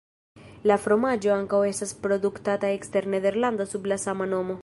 La fromaĝo ankaŭ estas produktata ekster Nederlando sub la sama nomo.